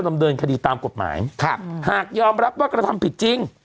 ดำเนินคดีตามกฎหมายครับหากยอมรับว่ากระทำผิดจริง